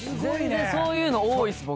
全然そういうの多いっす僕。